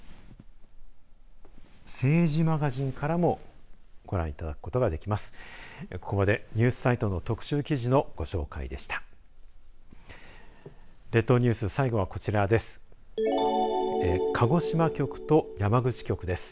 政治マガジンからもご覧いただくことができます。